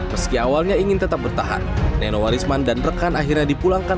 meski awalnya ingin tetap bertahan nenowarisman dan rekan akhirnya dipulangkan